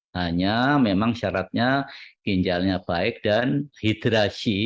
hanya memang syaratnya ginjalnya baik dan hidrasi